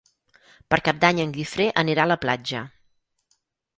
Per Cap d'Any en Guifré anirà a la platja.